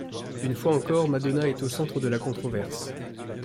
Une fois encore, Madonna est au centre de la controverse.